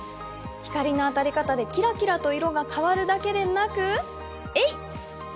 光の当たり方でキラキラと色が変わるだけでなく、えいっ！